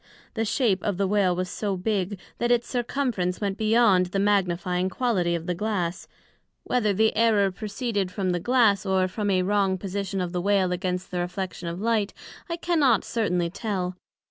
the shape of the Whale was so big, that its Circumference went beyond the magnifying quality of the Glass; whether the error proceeded from the Glass, or from a wrong position of the Whale against the reflection of light, I cannot certainly tell.